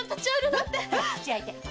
口開いて。